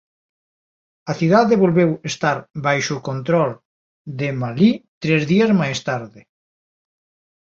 A cidade volveu estar baixo o control de Malí tres días máis tarde.